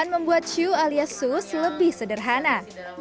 anda membutuhkan adonan campuran air tepung protein sedang dan butter serta telur ayam